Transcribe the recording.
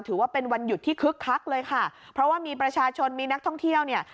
ถือว่าเป็นวันหยุดที่คึกคักเลยค่ะเพราะว่ามีประชาชนมีนักท่องเที่ยวเนี่ย